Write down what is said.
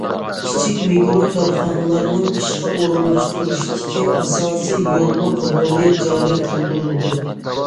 كىچىك، مىكرو كارخانىلارنىڭ ئىشقا ئورۇنلاشتۇرۇشتىكى ئاساسىي يوللۇق رولى جارى قىلدۇرۇلىدۇ.